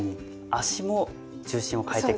足も重心を変えていく。